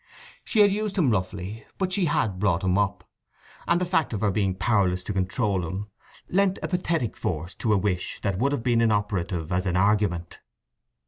She had used him roughly, but she had brought him up: and the fact of her being powerless to control him lent a pathetic force to a wish that would have been inoperative as an argument.